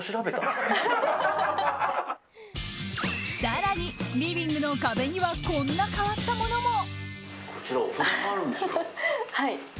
更に、リビングの壁にはこんな変わったものも。